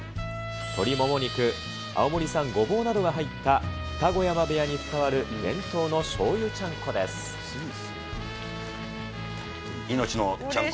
鶏もも肉、青森産ゴボウなどが入った二子山部屋に伝わる伝統のしょうゆちゃ命のちゃんこ。